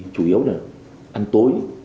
chủ yếu là ăn tối